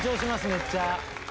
めっちゃ。